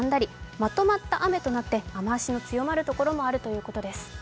まとまった雨となって雨足の強まるところもあるということです。